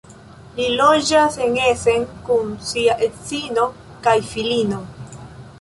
Li loĝas en Essen kun sia edzino kaj filino.